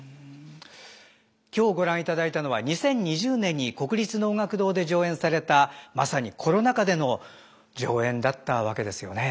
今日ご覧いただいたのは２０２０年に国立能楽堂で上演されたまさにコロナ禍での上演だったわけですよね。